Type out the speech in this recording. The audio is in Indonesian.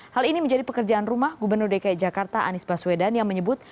hal ini menjadi pekerjaan rumah gubernur dki jakarta anies baswedan yang menyebut